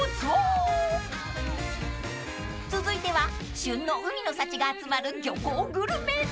［続いては旬の海の幸が集まる漁港グルメ］